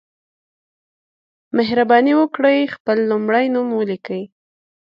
مهرباني وکړئ خپل لمړی نوم ولیکئ